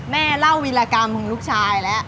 แม่เล่าวิรากรรมของลูกชายแล้ว